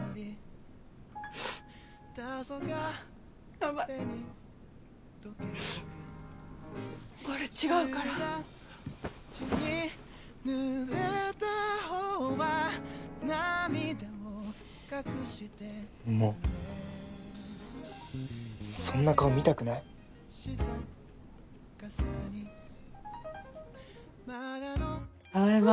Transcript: ヤバいこれ違うからもうそんな顔見たくないただいま